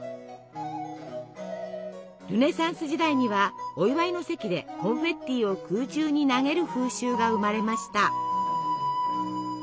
ルネサンス時代にはお祝いの席でコンフェッティを空中に投げる風習が生まれました。